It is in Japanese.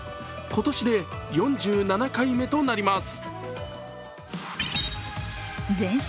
今年で４７回目となります。